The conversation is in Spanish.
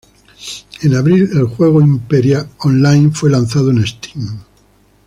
En abril, el juego Imperia Online fue lanzado en Steam.